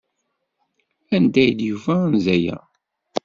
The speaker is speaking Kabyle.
Anda ay d-yufa anza-a?